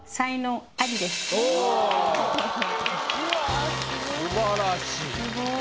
すばらしい。